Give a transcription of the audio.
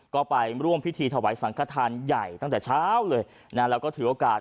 ก็ไปร่วมพิธีถวายสังขทานใหญ่ตั้งแต่เช้าเลยนะแล้วก็ถือโอกาส